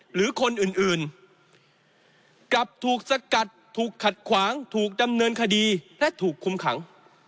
หรือคนอื่นกลับถูกสกัดถูกขัดขวางถูกดำเนินคดีและถูกคุมขัง